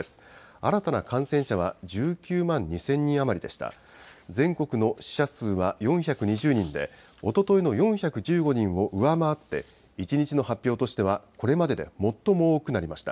新たな感染者は１９万２０００人余りでした。